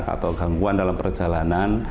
atau gangguan dalam perjalanan